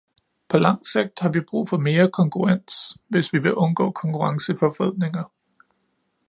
På langt sigt har vi brug for mere kongruens, hvis vi vil undgå konkurrenceforvridninger.